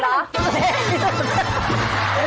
เล่ที่สุด